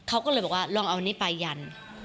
เขาก็เลยบอกว่าลองเอาอันนี้ปลายัน